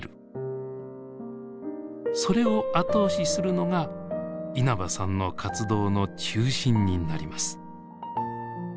それを後押しするのが稲葉さんの活動の中心になります。